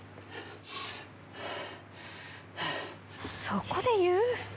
そこで言う？